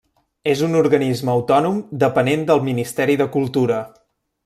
És un organisme autònom depenent del Ministeri de Cultura.